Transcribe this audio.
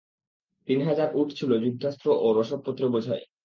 তিন হাজার উট ছিল যুদ্ধাস্ত্র ও রসদপত্রে বোঝাই।